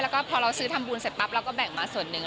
แล้วก็พอเราซื้อทำบุญเสร็จปั๊บเราก็แบ่งมาส่วนหนึ่ง